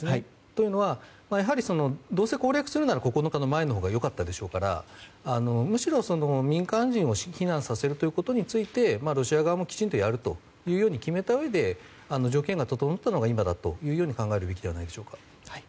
というのは、どうせ攻略するなら９日の前のほうが良かったでしょうからむしろ、民間人を避難させることについてロシア側もきちんとやると決めたうえで、条件が整ったのが今だというように考えるべきではないでしょうか。